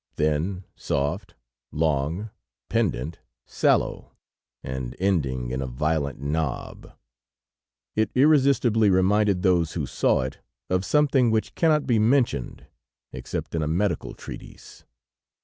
Thin, soft, long, pendant, sallow, and ending in a violet knob, it irresistibly reminded those who saw it of something which cannot be mentioned except in a medical treatise.